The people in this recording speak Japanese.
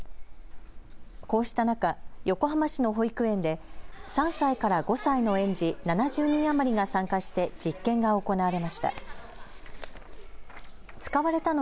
こうした中、横浜市の保育園で３歳から５歳の園児７０人余りが参加して実験が行われました。